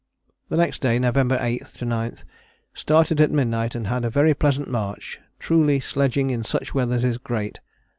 " The next day (November 8 9) "started at midnight and had a very pleasant march. Truly sledging in such weather is great.